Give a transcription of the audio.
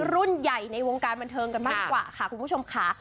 รุ่นใหญ่ในวงการบันเทิงกันบ้างดีกว่าค่ะคุณผู้ชมค่ะ